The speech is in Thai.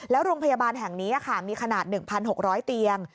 แล้วโรงพยาบาลแห่งนี้มีขนาด๑๖๐๐เตียง